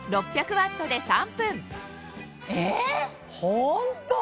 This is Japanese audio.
ホント？